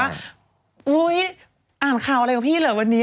ก็บอกว่าอุ๊ยอ่านข่าวอะไรกับพี่เลยวันนี้